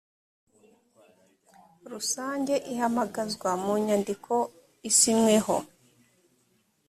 rusange ihamagazwa mu nyandiko isinyweho